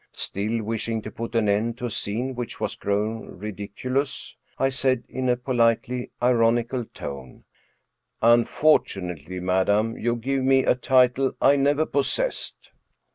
Still, wishing to put an end to a scene which was growing ridiculous, I said, in a politely ironical tone: " Unfortunately, madam, you give me a title I never pos sessed."